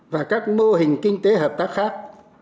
và các mô hình kinh tế hợp tác khác